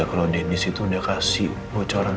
kalo dennis itu udah kasih bocoran